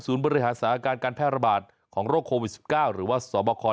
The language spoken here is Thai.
บริหารสถานการณ์การแพร่ระบาดของโรคโควิด๑๙หรือว่าสบค